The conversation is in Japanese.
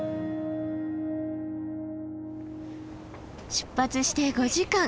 出発して５時間。